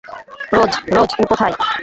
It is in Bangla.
রোজ, রোজ, তুমি কোথায়?